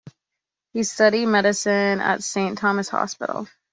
He studied medicine at Saint Thomas' Hospital.